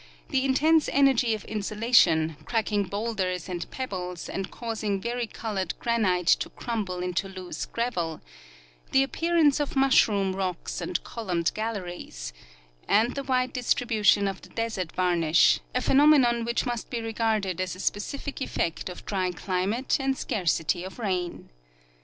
the intense energy of insolation, cracking bowlders and pebbles and causing varicolored granite to crumble into loose gravel ; the appearance of mushroom rocks and columned galleries ; and the wide distribution of the desert varnish, a phenomenon which must be regarded as a specific effect of dry climate and scarcity of rain.